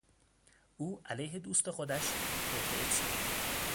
او علیه دوست خودش توطئه چید.